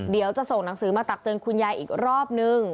เดี๋ยวจะส่งหนังสือมาตักเตือนคุณยายอีกรอบนึง